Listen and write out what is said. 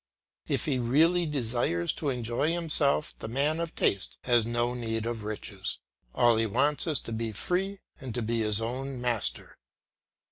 If he really desires to enjoy himself the man of taste has no need of riches; all he wants is to be free and to be his own master.